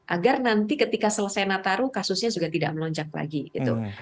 agar nanti ketika selesai nataru kasusnya juga tidak melonjak lagi gitu